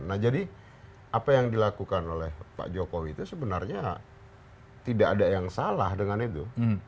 nah jadi apa yang dilakukan oleh pak jokowi itu sebenarnya tidak ada yang salah dengan itu